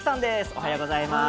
おはようございます。